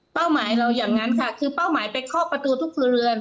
หมายเราอย่างนั้นค่ะคือเป้าหมายไปเคาะประตูทุกครัวเรือน